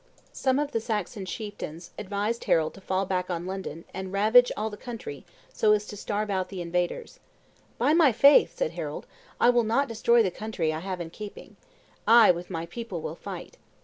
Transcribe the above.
Some of the Saxon chieftains advised Harold to fall back on London, and ravage all the country, so as to starve out the invaders. "By my faith," said Harold, "I will not destroy the country I have in keeping; I, with my people, will fight."